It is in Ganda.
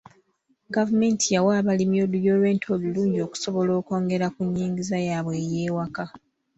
Gavumenti yawa abalimi olulyo lw'ente olulungi okusobola okwongera ku nnyingiza yaabwe ey'ewaka.